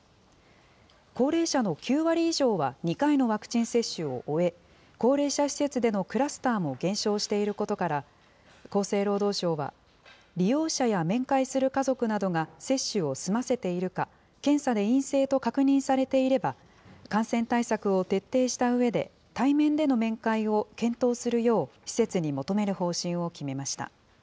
高齢者の９割以上は２回のワクチン接種を終え、高齢者施設でのクラスターも減少していることから、厚生労働省は、利用者や面会する家族などが接種を済ませているか、検査で陰性と確認されていれば、感染対策を徹底したうえで対面での面会を検討するよう施設に求める方針を決めました。